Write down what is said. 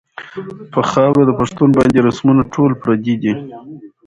پۀ خاؤره د پښتون باندې رسمونه ټول پردي دي